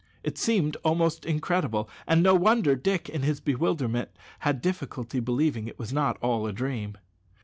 It seemed almost incredible, and no wonder Dick, in his bewilderment, had difficulty in believing it was not all a dream.